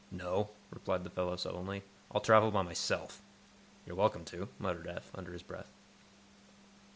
"No," replied the fellow, sullenly. "I'll travel by myself." "You're welcome to," muttered Eph, under his breath.